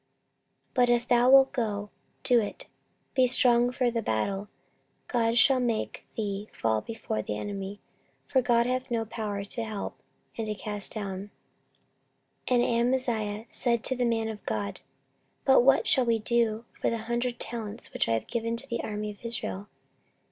14:025:008 But if thou wilt go, do it; be strong for the battle: God shall make thee fall before the enemy: for God hath power to help, and to cast down. 14:025:009 And Amaziah said to the man of God, But what shall we do for the hundred talents which I have given to the army of Israel?